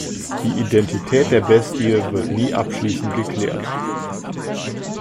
Die Identität der „Bestie“ wird nie abschließend geklärt.